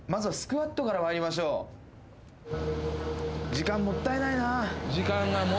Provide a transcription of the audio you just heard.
「時間もったいないな」